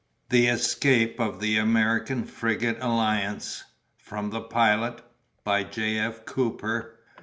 THE ESCAPE OF THE AMERICAN FRIGATE ALLIANCE (From the Pilot.) By J. F. COOPER.